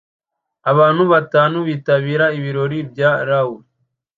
Abantu batanu bitabira ibirori bya luau